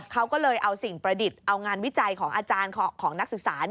เขาก็เลยเอาสิ่งประดิษฐ์เอางานวิจัยของอาจารย์ของนักศึกษา